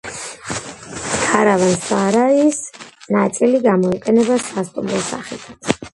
ქარავან-სარაის ნაწილი გამოიყენება სასტუმროს სახითაც.